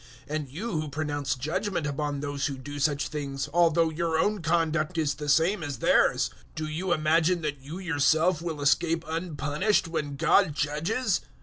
002:003 And you who pronounce judgement upon those who do such things although your own conduct is the same as theirs do you imagine that you yourself will escape unpunished when God judges?